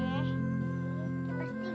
hai aku mau ke sini